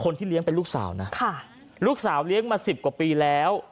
เลี้ยงเป็นลูกสาวนะค่ะลูกสาวเลี้ยงมาสิบกว่าปีแล้ว